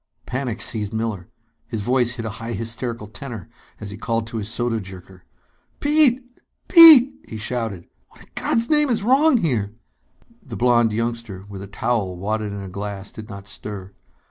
Panic seized Miller. His voice hit a high hysterical tenor as he called to his soda jerker. "Pete! Pete!" he shouted. "What in God's name is wrong here!" The blond youngster, with a towel wadded in a glass, did not stir.